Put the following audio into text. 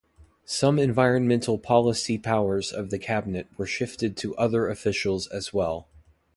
Some environmental policy powers of the Cabinet were shifted to other officials as well.